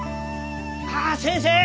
あっ先生